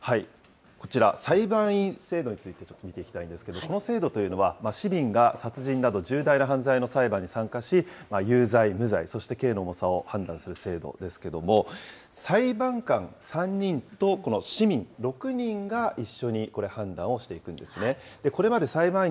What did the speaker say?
こちら、裁判員制度についてちょっと見ていきたいんですけれども、この制度というのは、市民が殺人など重大な犯罪の裁判に参加し、有罪・無罪、そして刑の重さを判断する制度ですけれども、裁判官３人と、この市民６人が一緒にこれ、判断をしていくんですね。